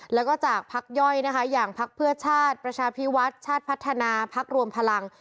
แล้วก็จากพักย่อยนะคะอย่างพักเพื่อชาติประชาพิวัฒน์ชาติพัฒนาพักรวมพลัง